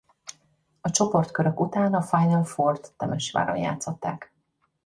A csoportkörök után a Final Fourt Temesváron játszották.